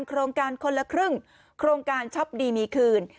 โครงการคนละครึ่งโครงการช็อปดีมีคืน